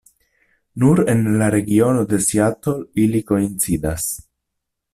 Nur en la regiono de Seattle ili koincidas.